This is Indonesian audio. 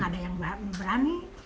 nggak ada nggak ada yang berani